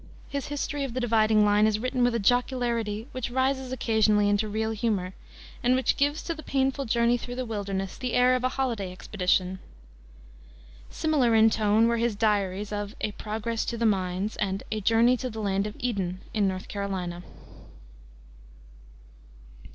His History of the Dividing Line is written with a jocularity which rises occasionally into real humor, and which gives to the painful journey through the wilderness the air of a holiday expedition. Similar in tone were his diaries of A Progress to the Mines and A Journey to the Land of Eden in North Carolina.